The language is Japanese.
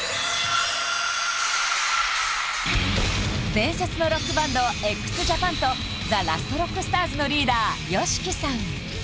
伝説のロックバンドＸＪＡＰＡＮとＴＨＥＬＡＳＴＲＯＣＫＳＴＡＲＳのリーダーＹＯＳＨＩＫＩさん